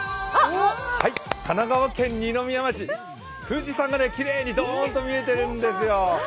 神奈川県二宮町、富士山がきれいにドーンと見えているんですよ。